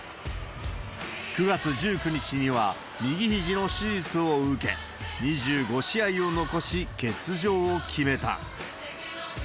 ９月１９日には、右ひじの手術を受け、２５試合を残し、欠場を決めた。